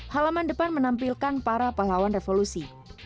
halaman depan menampilkan para pahlawan revolusi